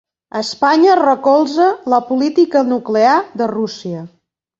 Espanya recolza la política nuclear de Rússia